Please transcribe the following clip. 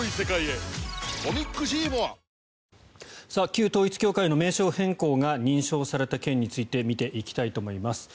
旧統一教会の名称変更が認証された件について見ていきたいと思います。